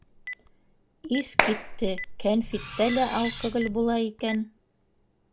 Иҫ китте, кәнфиттә лә алкоголь була икән.